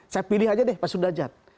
saya pilih aja deh pak sudrajat